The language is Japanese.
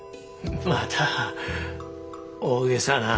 また大げさな。